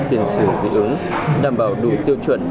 tiền sử vĩ ứng đảm bảo đủ tiêu chuẩn